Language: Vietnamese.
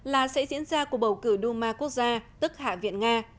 là sẽ diễn ra cuộc bầu cử duma quốc gia tức hạ viện nga